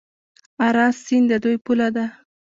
اراس سیند د دوی پوله ده.